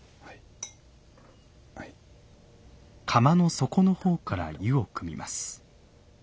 釜の底の方から湯をくみます。